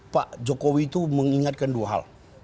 pak jokowi itu mengingatkan dua hal